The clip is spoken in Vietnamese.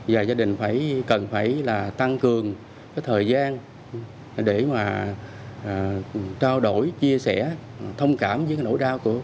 và gia đình cần phải tăng cường thời gian để mà trao đổi chia sẻ thông cảm với nỗi đau của các em